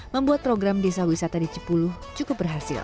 membuat program desa wisata di cipuluh cukup berhasil